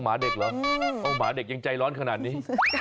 หมาเด็กเหรอหมาเด็กยังใจร้อนขนาดนี้